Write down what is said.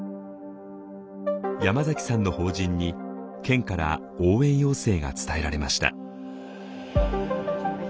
山崎さんの法人に県から応援要請が伝えられました。